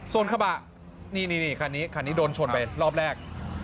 ส่วนกระบะนี่คันนี้คันนี้โดนชนไปรอบแรก